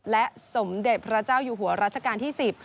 และสมเด็จพระเจ้าอยู่หัวรัชกาลที่๑๐